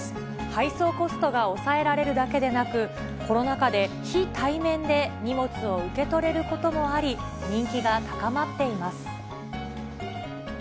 配送コストが抑えられるだけでなく、コロナ禍で非対面で荷物を受け取れることもあり、人気が高まっています。